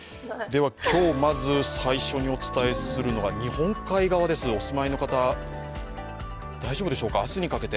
今日、まず最初にお伝えするのは日本海側にお住まいの方、大丈夫でしょうか。